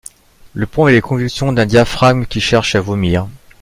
Le pont avait les convulsions d’un diaphragme qui cherche à vomir.